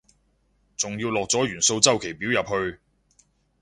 仲要落咗元素週期表入去